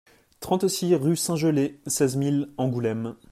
trente-six rue Saint-Gelais, seize mille Angoulême